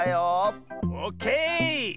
オッケー！